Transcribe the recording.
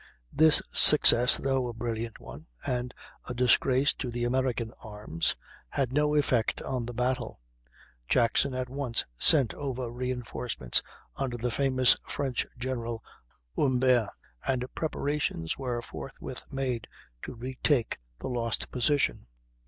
This success, though a brilliant one, and a disgrace to the American arms, had no effect on the battle. Jackson at once sent over reinforcements under the famous French general, Humbert, and preparations were forthwith made to retake the lost position.